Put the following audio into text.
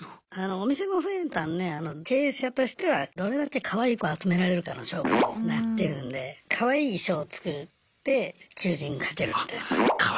お店も増えたんで経営者としてはどれだけかわいい子集められるかの勝負になってるんでかわいい衣装を作って求人かけるみたいな。